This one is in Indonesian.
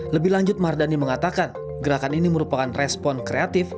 lebih lanjut mardani mengatakan gerakan ini merupakan respon kreatif